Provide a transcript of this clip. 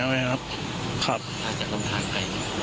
หากจากลำทานใกล้